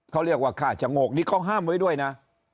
เขาเรียกว่าฆ่าชะโงกนี่เขาห้ามไว้ด้วยนะ